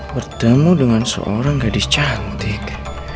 bertemu dengan seorang gadis cantik